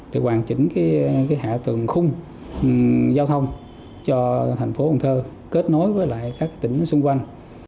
thì hoàn chỉnh hạ tầng khung giao thông cho thành phố cần thơ kết nối với các tỉnh xung quanh